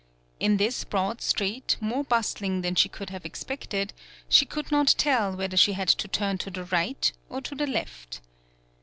In this broad street, more bustling than she could have expected, she could not tell whether she had to turn to the right or to the left.